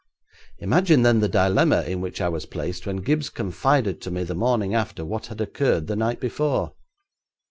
Imagine then the dilemma in which I was placed when Gibbes confided to me the morning after what had occurred the night before.